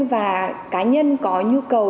và cá nhân có nhu cầu